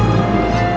tidak ada dahan